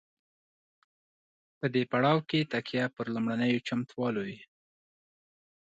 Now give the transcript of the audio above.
په دې پړاو کې تکیه پر لومړنیو چمتووالو وي.